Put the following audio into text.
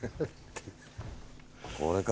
これか。